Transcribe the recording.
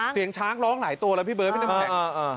เสียงช้างร้องหลายตัวแล้วพี่เบิร์ดพี่น้ำแข็ง